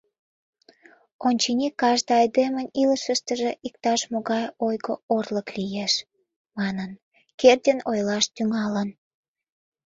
— Очыни, кажне айдемын илышыштыже иктаж-могай ойго-орлык лиеш, — манын, Кердин ойлаш тӱҥалын.